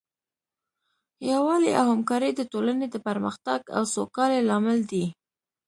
یووالی او همکاري د ټولنې د پرمختګ او سوکالۍ لامل دی.